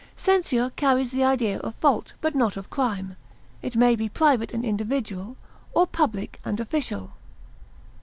Censure carries the idea of fault, but not of crime; it may be private and individual, or public and official.